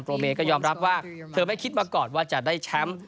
เมย์ก็ยอมรับว่าเธอไม่คิดมาก่อนว่าจะได้แชมป์